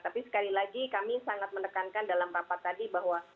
tapi sekali lagi kami sangat menekankan dalam rapat tadi bahwa